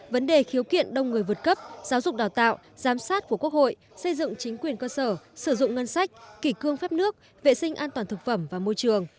vấn đề khiếu kiện đông người vượt cấp giáo dục đào tạo giám sát của quốc hội xây dựng chính quyền cơ sở sử dụng ngân sách kỷ cương phép nước vệ sinh an toàn thực phẩm và môi trường